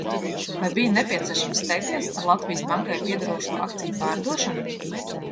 Vai bija nepieciešams steigties ar Latvijas Bankai piederošo akciju pārdošanu?